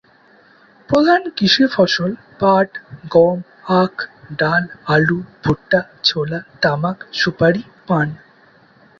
প্রধান কৃষি ফসল ধান, পাট, গম, আখ, ডাল, আলু, ভুট্টা, ছোলা, তামাক, সুপারি, পান।